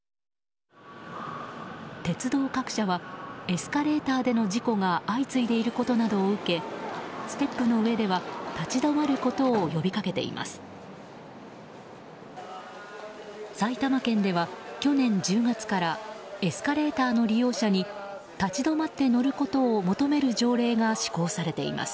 鉄道各社はエスカレーターでの事故が相次いでいることなどを受けステップの上では立ち止まることを呼びかけています。